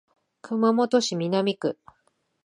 熊本市南区